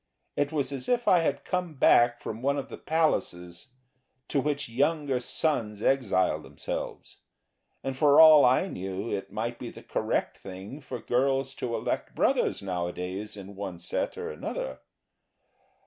It was as if I had come back from one of the places to which younger sons exile themselves, and for all I knew it might be the correct thing for girls to elect brothers nowadays in one set or another.